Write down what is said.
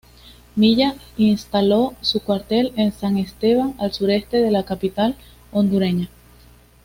Milla instaló su cuartel en San Esteban, al suroeste de la capital hondureña.